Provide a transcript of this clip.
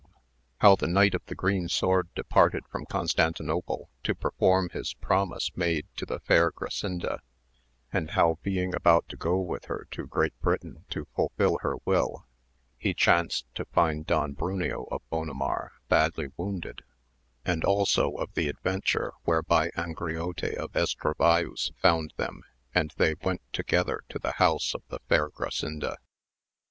— How the Knight of the Green Sword departed from Constantinople to perform his promise made to the fair Grasinda, and how being about to go with her to Great Britain to fulfil her will, he chanced to find Don Bruneo of Bonamar badly wounded ; and also of the adventure whereby Angriote of Estravaus found them, and thej went together to the house of the fair Grasinda.